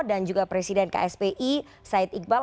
dan juga presiden kspi said iqbal